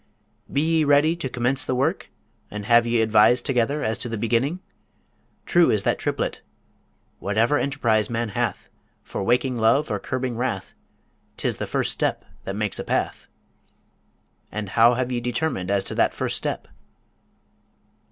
be ye ready to commence the work? and have ye advised together as to the beginning? True is that triplet: "Whatever enterprize man hath, For waking love or curbing wrath, 'Tis the first step that makes a path." And how have ye determined as to that first step?'